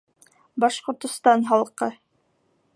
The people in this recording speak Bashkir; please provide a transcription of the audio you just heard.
Башҡортостан халҡы